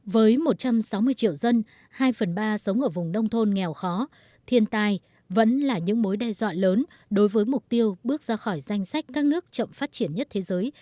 với một trăm sáu mươi triệu dân hai phần ba sống ở vùng nông thôn nghèo khó thiên tai vẫn là những mối đe dọa lớn đối với mục tiêu bước ra khỏi danh sách các nước chậm phát triển nhất thế giới